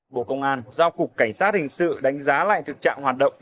bộ công an giao cục cảnh sát hình sự đánh giá lại thực trạng hoạt động